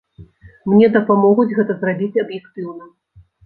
Мне дапамогуць гэта зрабіць аб'ектыўна.